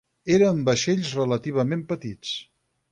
Eren vaixells relativament petits.